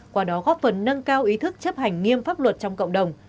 qua đó góp phần nâng cao ý thức chấp hành nghiêm pháp luật trong cộng đồng